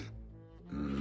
うん。